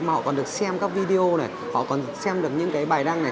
mà họ còn được xem các video này họ còn xem được những cái bài đăng này